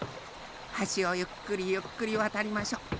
はしをゆっくりゆっくりわたりましょ。